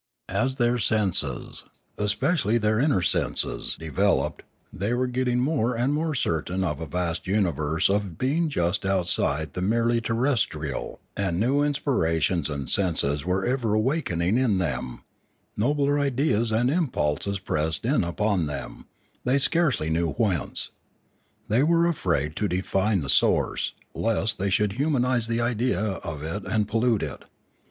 As their senses, especially their inner senses, de veloped, they were getting more and more certain of a vast universe of being just outside the merely ter restrial, and new inspirations and senses were ever awakening in them; nobler ideas and impulses pressed in upon them, they scarcely knew whence. They were afraid to define the source, lest they should humanise the idea of it and pollute it.